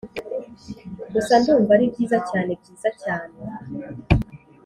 gusa ndumva ari byiza cyane, byiza cyane